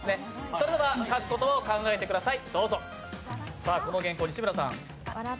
それでは書く言葉を考えてください。